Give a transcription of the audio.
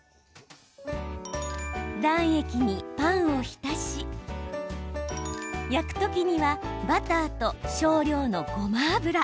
卵液にパンを浸し焼く時にはバターと少量のごま油。